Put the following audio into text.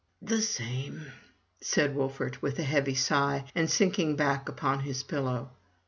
"The same," said Wolfert, with a heavy sigh, and sinking back upon his pillow.